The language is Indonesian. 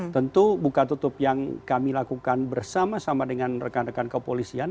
tentu buka tutup yang kami lakukan bersama sama dengan rekan rekan kepolisian